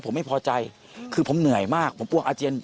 ผมทำให้ตัวแทนเป็นศพเลย